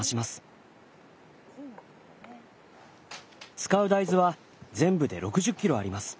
使う大豆は全部で６０キロあります。